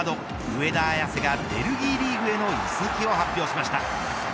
上田綺世がベルギーリーグへの移籍を発表しました。